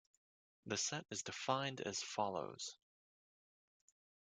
The set is defined as follows.